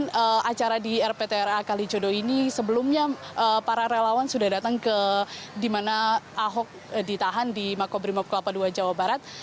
kemudian acara di rptra kalijodo ini sebelumnya para relawan sudah datang ke di mana ahok ditahan di makobrimob kelapa ii jawa barat